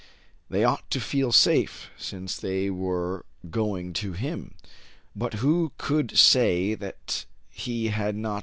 They ought to feel safe, since they were going to him ; but who could say that he had not.